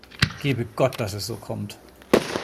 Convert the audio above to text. Gebe Gott, dass es so kommt!